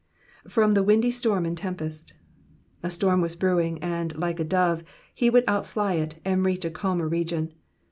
*'i?V*ow the windy storm and tempest.^"* A storm was brewing, and, like a dove, he would outfly it and reach a calmer region.